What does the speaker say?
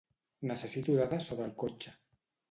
Necessito dades sobre el cotxe.